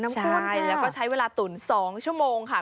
คนแล้วก็ใช้เวลาตุ๋น๒ชั่วโมงค่ะ